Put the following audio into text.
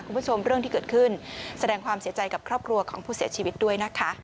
เรื่องที่เกิดขึ้นแสดงความเสียใจกับครอบครัวของผู้เสียชีวิตด้วยนะคะ